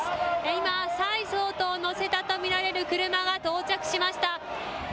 今、蔡総統を乗せたと見られる車が到着しました。